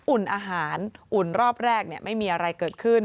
อุ่นอาหารอุ่นรอบแรกไม่มีอะไรเกิดขึ้น